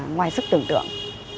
ngoài sức tưởng tượng